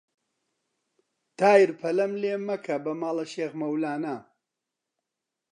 تایر پەلەم لێ مەکە بە ماڵە شێخ مەولانە